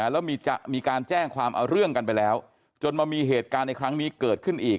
แล้วมีการแจ้งความเอาเรื่องกันไปแล้วจนมามีเหตุการณ์ในครั้งนี้เกิดขึ้นอีก